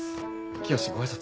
清ご挨拶。